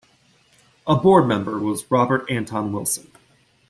A board member was Robert Anton Wilson.